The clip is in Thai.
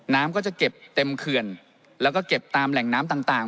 น้ำก็จะเก็บเต็มเขื่อนแล้วก็เก็บตามแหล่งน้ำต่าง